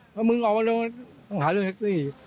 เพราะมึงเอาเรื่องต้องหาเรื่องแท็กซี่